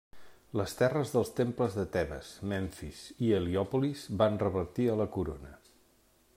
Les terres dels temples de Tebes, Memfis i Heliòpolis van revertir a la corona.